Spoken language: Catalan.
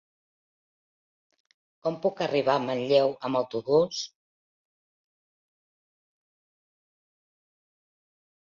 Com puc arribar a Manlleu amb autobús?